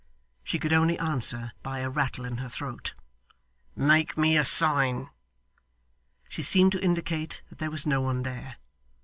She could only answer by a rattle in her throat. 'Make me a sign.' She seemed to indicate that there was no one there.